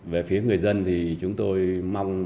về phía người dân thì chúng tôi mong